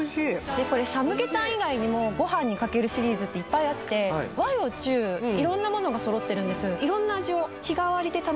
でこれサムゲタン以外にもごはんにかけるシリーズっていっぱいあって和洋中色んなものが揃ってるんですああ